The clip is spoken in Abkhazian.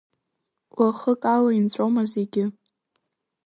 Уахык ала инҵәома зегьы.